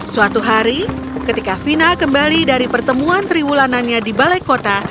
suatu hari ketika vina kembali dari pertemuan triwulanannya di balai kota